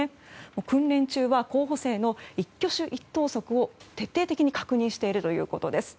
訓練中は候補生の一挙手一投足を徹底的に確認しているということです。